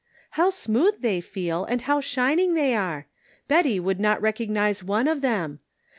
" How smooth they feel and how shining they are ! Betty would not recognize one of them.